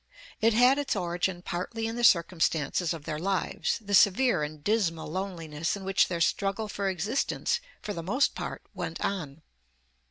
It had its origin partly in the circumstances of their lives, the severe and dismal loneliness in which their struggle for existence for the most part went on.